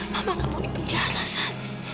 mama gak boleh penjahat sat